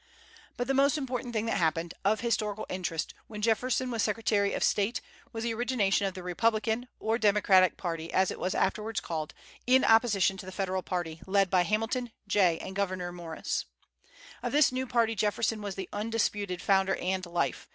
But the most important thing that happened, of historical interest, when Jefferson was Secretary of State, was the origination of the Republican, or Democratic party, as it was afterwards called, in opposition to the Federal party, led by Hamilton, Jay, and Gouverneur Morris, Of this new party Jefferson was the undisputed founder and life.